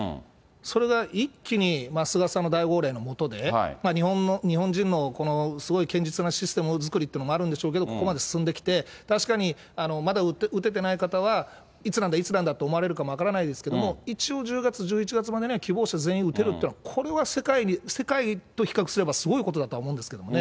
それが一気に、菅さんの大号令の下で、日本人のすごい堅実なシステム作りというのもあるんでしょうけど、ここまで進んできて、確かにまだ打ててない方は、いつなんだ、いつなんだと思われるかも分からないですけど、一応、１０月、１１月までには希望者全員打てるというのは、これは世界と比較すればすごいことだとは思うんですけどね。